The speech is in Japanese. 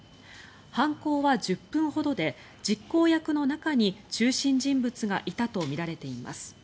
犯行は１０分ほどで実行役の中に中心人物がいたとみられています。